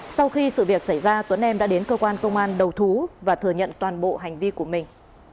sau khi sự việc xảy ra tuấn em đã đến cơ quan công an đầu thú và thừa nhận toàn bộ hành vi của mình